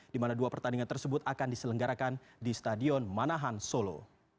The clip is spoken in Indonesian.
di mana dua pertandingan tersebut akan diselenggarakan di stadion manahan solo